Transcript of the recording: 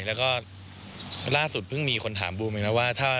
แล้วก็ล่าสุดเพิ่งมีคนถามบูมเองนะว่า